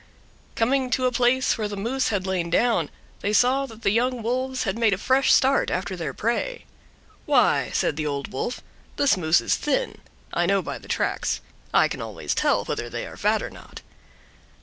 Coming to a place where the moose had lain down, they saw that the young wolves had made a fresh start after their prey. "Why," said the Old Wolf, "this moose is thin. I know by the tracks. I can always tell whether they are fat or not."